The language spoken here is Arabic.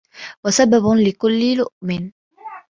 وَسَبَبٌ لِكُلِّ لُؤْمٍ